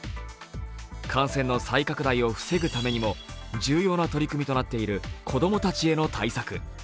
感染の再拡大を防ぐためにも重要な取り組みとなっている子供たちへの対策。